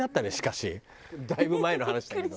だいぶ前の話だけど。